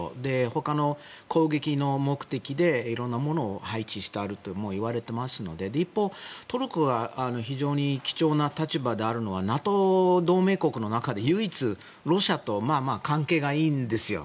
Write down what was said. ほかの攻撃の目的で色んなものを配置しているといわれていますので一方、トルコは非常に貴重な立場であるのはＮＡＴＯ同盟国の中で唯一ロシアと関係がいいんですよ